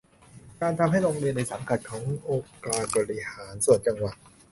การทำให้โรงเรียนในสังกัดขององค์การบริหารส่วนจังหวัด